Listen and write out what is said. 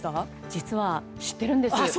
実は、知ってるんです。